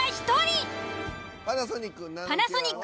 「パナソニック」